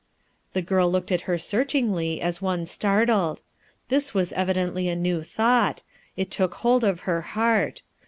The girl looked at her searchiugly as one startled. This was evidently a new thought; it took hold of her heart.